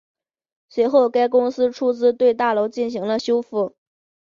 随后该公司出资对大楼进行修复。